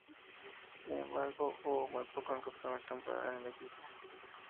Sin embargo, jugó muy poco en su primer temporada en el equipo.